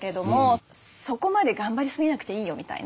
「そこまで頑張りすぎなくていいよ」みたいな。